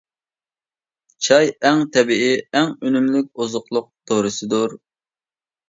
چاي-ئەڭ تەبىئىي، ئەڭ ئۈنۈملۈك ئوزۇقلۇق دورىسىدۇر.